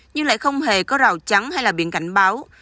nhưng lại không hề có rào trắng hay là biển cảnh báo